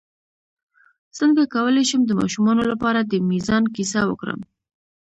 څنګه کولی شم د ماشومانو لپاره د میزان کیسه وکړم